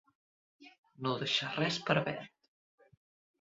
No deixar res per verd.